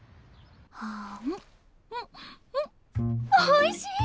おいしい！